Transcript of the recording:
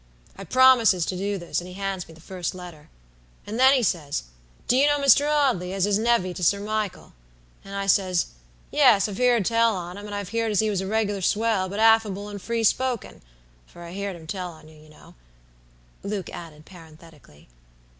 I promises to do this, and he hands me the first letter. And then he says, 'Do you know Mr. Audley, as is nevy to Sir Michael?' and I said, 'Yes, I've heerd tell on him, and I've heerd as he was a reg'lar swell, but affable and free spoken' (for I heerd 'em tell on you, you know)," Luke added, parenthetically.